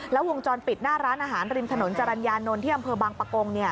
แล้ววงจรปิดหน้าร้านอาหารริมถนนจรัญญานนที่บางประกง